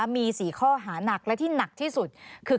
มี๔ข้อหานักและที่หนักที่สุดคือ